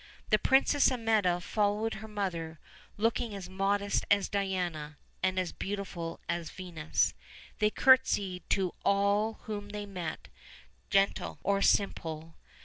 The Princess Amietta followed her mother, looking as modest as Diana, and as beautiful as Venus. They courtesied to all whom they met, gentle or simple.